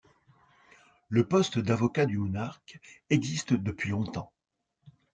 Le poste d'Avocat du monarque existe depuis longtemps.